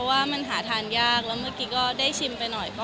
อันนี้ถือเป็นการรวมอาหารของดีของเด็ดไว้ที่นี่เลยใช่ไหมครับ